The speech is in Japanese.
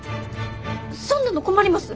そんなの困ります。